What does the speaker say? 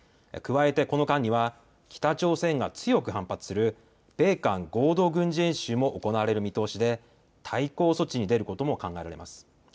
加えてこの間には北朝鮮が強く反発する米韓合同軍事演習も行われる見通しで対抗措置に出ることも考えられます。